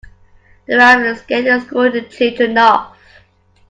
The ram scared the school children off.